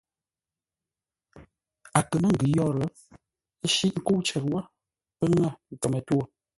A kə̂ mə́ ngʉ̌ yə́rə́, ə́ shíʼ nkə́u cər wó, pə́ ŋə̂ kəmə-twô.